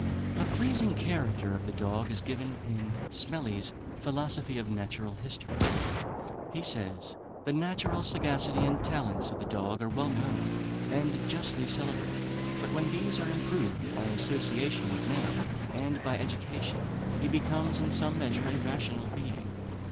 A pleasing character of the dog is given in Smellie's "Philosophy of Natural History." He says: "The natural sagacity and talents of the dog are well known, and justly celebrated. But when these are improved by association with man, and by education, he becomes, in some measure, a rational being.